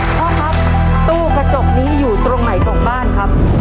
พ่อครับตู้กระจกนี้อยู่ตรงไหนของบ้านครับ